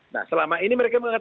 nah selama ini mereka mengatakan